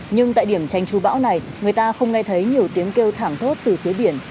nhưng tại điểm tranh tru bão này người ta không nghe thấy nhiều tiếng kêu thẳng thớt từ phía biển